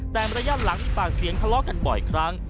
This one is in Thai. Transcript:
แต่ระยะหลังมีปากเสียงทะเลาะกันบ่อยครั้ง